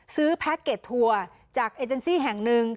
แพ็คเก็ตทัวร์จากเอเจนซี่แห่งหนึ่ง